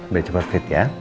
udah cepet cepet ya